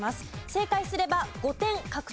正解すれば５点獲得。